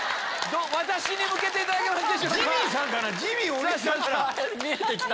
私に向けていただけますか。